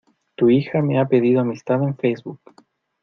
Tu hija me ha pedido amistad en Facebook.